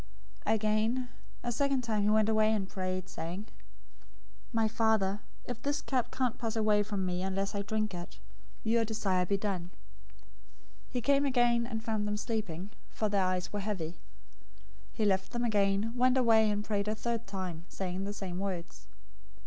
026:042 Again, a second time he went away, and prayed, saying, "My Father, if this cup can't pass away from me unless I drink it, your desire be done." 026:043 He came again and found them sleeping, for their eyes were heavy. 026:044 He left them again, went away, and prayed a third time, saying the same words.